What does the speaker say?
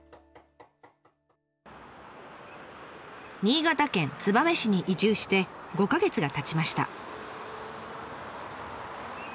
新潟県燕市に移住して５か月がたちました。